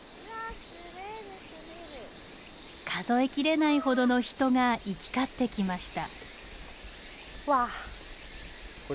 数えきれないほどの人が行き交ってきました。